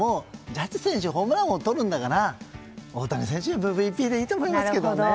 ジャッジ選手はホームラン王をとるんだから大谷選手にＭＶＰでいいと思いますけどね。